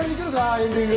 エンディング。